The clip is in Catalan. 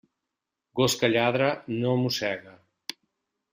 Gos que lladra, no mossega.